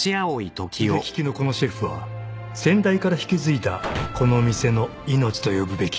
［腕利きのこのシェフは先代から引き継いだこの店の命と呼ぶべき］